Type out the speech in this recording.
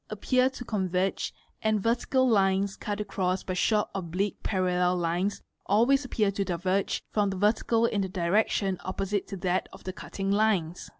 appear to con verge, and vertical lines cut across by short oblique parallel lines always appear to diverge from the vertical in the direction opposite to that of the cutting lines.